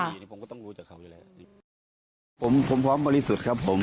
สุดท้ายเหรอไม่ได้คุยนะครับผม